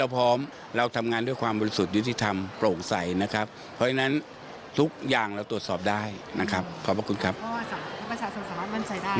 เพราะว่าสำหรับประชาสนศาสตร์มันจ่ายได้